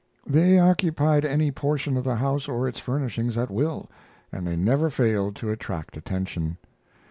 They occupied any portion of the house or its furnishings at will, and they never failed to attract attention.